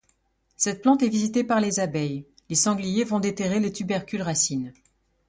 Cette plante est visitée par les abeilles, les sangliers vont déterrer les tubercules-racines.